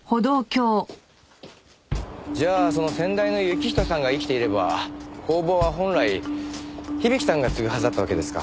じゃあその先代の行人さんが生きていれば工房は本来響さんが継ぐはずだったわけですか。